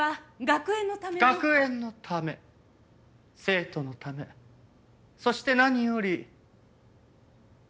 学園のため生徒のためそして何より。